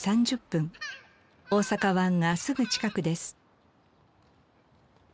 大阪湾がすぐ近くです。